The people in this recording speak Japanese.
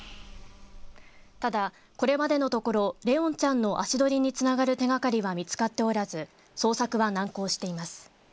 ただ、これまでのところ怜音ちゃんの足取りにつながる手がかりは見つかっておらず捜索は難航しています。